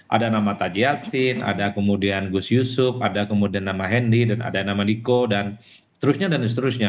ada nama taji yassin ada kemudian gus yusuf ada kemudian nama hendi dan ada nama niko dan seterusnya dan seterusnya